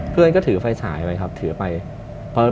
เพื่อนก็ถือไฟสายไปครับ